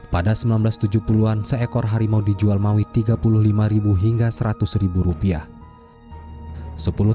pada seribu sembilan ratus tujuh puluh an seekor harimau dijual maui tiga puluh lima hingga seratus rupiah